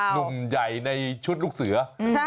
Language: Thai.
หนุ่มใหญ่ในชุดลูกเสือ